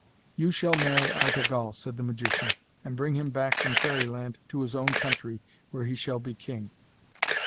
'You shall marry Artegall,' said the magician, 'and bring him back from Fairyland to his own country, where he shall be king.'